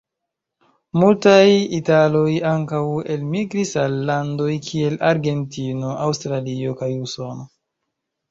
Multaj italoj ankaŭ elmigris al landoj kiel Argentino, Aŭstralio kaj Usono.